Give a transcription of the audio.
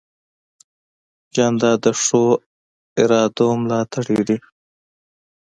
جانداد د ښو ارادو ملاتړ دی.